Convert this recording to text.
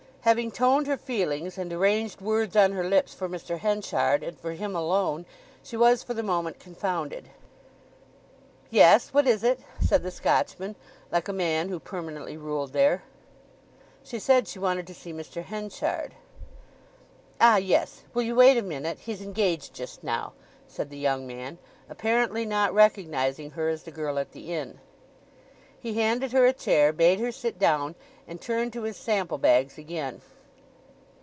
Having toned her feelings and arranged words on her lips for Mr. Henchard, and for him alone, she was for the moment confounded. "Yes, what it is?" said the Scotchman, like a man who permanently ruled there. She said she wanted to see Mr. Henchard. "Ah, yes; will you wait a minute? He's engaged just now," said the young man, apparently not recognizing her as the girl at the inn. He handed her a chair, bade her sit down and turned to his sample bags again.